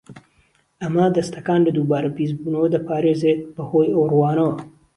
ئەمە دەستەکان لە دووبارە پیسبوونەوە دەپارێزێت بەهۆی ئەو ڕووانەوە.